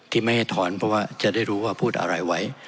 ไม่ให้ถอนเพราะว่าจะได้รู้ว่าพูดอะไรไว้